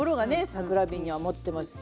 桜えびには持ってますし。